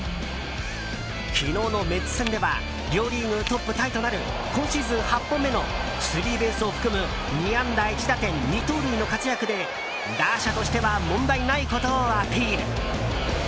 昨日のメッツ戦では両リーグトップタイとなる今シーズン８本目のスリーベースを含む２安打１打点２盗塁の活躍で打者としては問題ないことをアピール。